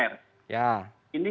ini kasus pemberitaan media